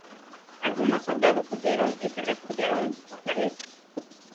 Algunos soldados huyeron y se refugiaron en su fortaleza.